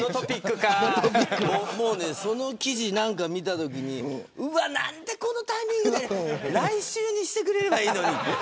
その記事を見たときになんでこのタイミングで来週にしてくれればいいのに。